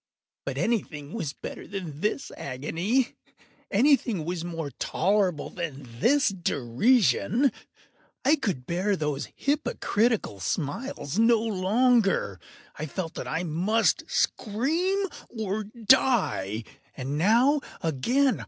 But anything was better than this agony! Anything was more tolerable than this derision! I could bear those hypocritical smiles no longer! I felt that I must scream or die! and now—again!